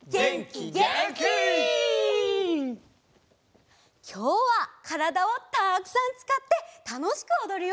きょうはからだをたくさんつかってたのしくおどるよ！